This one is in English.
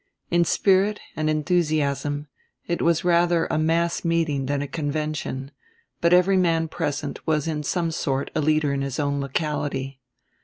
In spirit and enthusiasm it was rather a mass meeting than a convention; but every man present was in some sort a leader in his own locality.